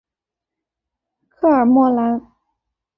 科尔莫兰。